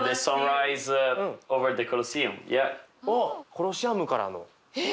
コロシアムからの。え！？